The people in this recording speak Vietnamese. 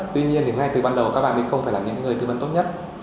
tuy nhiên thì ngay từ ban đầu các bạn ấy không phải là những người tư vấn tốt nhất